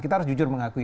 kita harus jujur mengakui